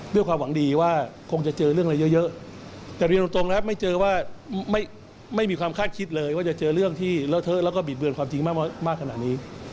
ด้วยความหวังดีว่าคงจะเจอเรื่องอะไรเยอะแต่เรียนตรงนะครับไม่เจอว่าไม่มีความคาดคิดเลยว่าจะเจอเรื่องที่เลอะเทอะแล้วก็บิดเบือนความจริงมากขนาดนี้